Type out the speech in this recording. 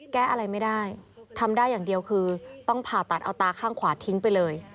แก้อะไรไม่ได้ทำได้อย่างเดียวคือต้องผ่าตัดเอาตาข้างขวาทิ้งไปเลย